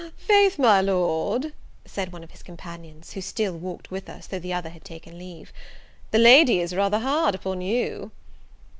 Faith, my Lord," said one of his companions, who still walked with us, though the other had taken leave, "the lady is rather hard upon you."